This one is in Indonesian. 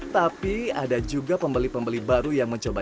tapi ada juga pembeli pembeli baru yang mencoba